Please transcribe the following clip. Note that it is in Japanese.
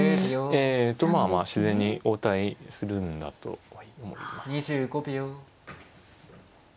ええとまあまあ自然に応対するんだと思います。